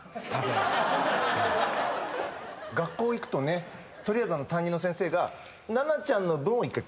学校行くとね取りあえず担任の先生が。